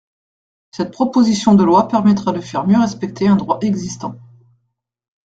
Cette proposition de loi permettra de faire mieux respecter un droit existant.